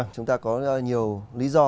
chúng ta có nhiều lý do